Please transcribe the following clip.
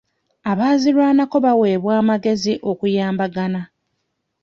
Abaazirwanako baweebwa amagezi okuyambagana.